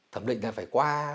thẩm định là phải qua